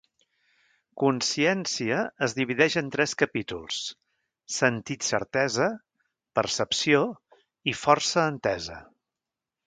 "Consciència" es divideix en tres capítols: "Sentit-Certesa", "Percepció", i "Força Entesa".